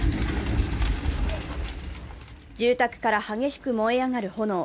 住宅から激しく燃え上がる炎。